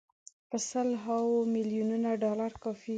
په سل هاوو میلیونه ډالر کافي دي.